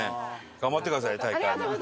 頑張ってください大会も。